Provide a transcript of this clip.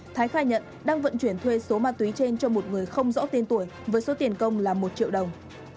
thái khai nhận đang vận chuyển thuê số ma túy trên cho một người không rõ tên tuổi với số tiền công là một triệu đồng